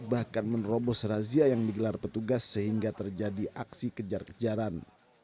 bahkan menerobos razia yang digelar petugas sehingga terjadi aksi kejar kejaran